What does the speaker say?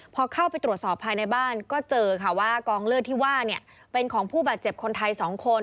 พอเข้าไปตรวจสอบภายในบ้านก็เจอค่ะว่ากองเลือดที่ว่าเป็นของผู้บาดเจ็บคนไทย๒คน